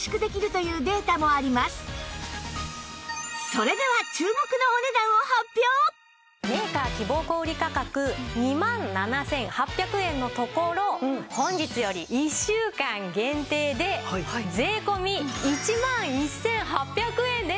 それではメーカー希望小売価格２万７８００円のところ本日より１週間限定で税込１万１８００円です。